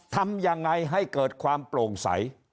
ทำยังไงให้เกิดความโปร่งใส